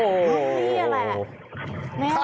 โอคุณแบบนี้ละ